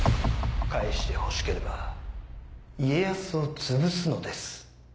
返してほしければ家康をつぶすのです。